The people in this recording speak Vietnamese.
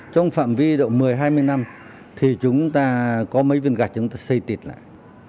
trong phạm vi độ một mươi hai mươi năm thì chúng ta có mấy viên gạt chúng ta xây tịt lại